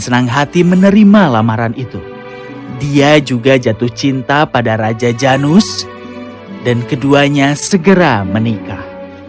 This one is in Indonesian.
senang hati menerima lamaran itu dia juga jatuh cinta pada raja janus dan keduanya segera menikah